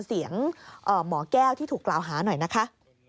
เสียงหมอแก้วที่ถูกกล่าวหาหน่อยนะคะ